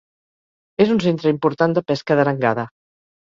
És un centre important de pesca d'arengada.